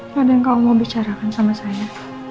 kadang kau mau bicarakan sama saya